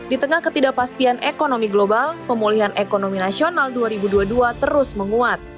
di tengah ketidakpastian ekonomi global pemulihan ekonomi nasional dua ribu dua puluh dua terus menguat